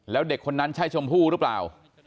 แล้วเด็กคนนั้นใช่ชมพู่หรือเปล่า